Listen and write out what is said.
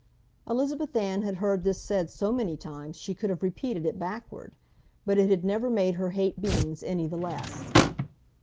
Elizabeth Ann had heard this said so many times she could have repeated it backward, but it had never made her hate beans any the less.